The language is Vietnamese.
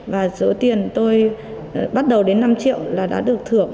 và số tiền tôi bắt đầu đến năm triệu là đã được thưởng